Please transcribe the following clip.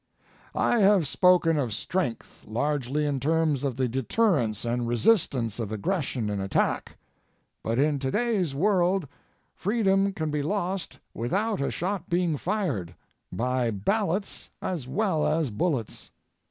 IV. I have spoken of strength largely in terms of the deterrence and resistance of aggression and attack. But, in today's world, freedom can be lost without a shot being fired, by ballots as well as bullets.